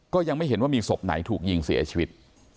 ก็ยังไม่เห็นว่ามีศพไหนถูกยิงเสียชีวิต